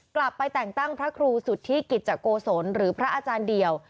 กลับไปแต่งตั้งพระครูสุทธิกิจโกศลหรือพระอาจารย์เดี่ยว